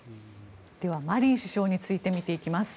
では、マリン首相について見ていきます。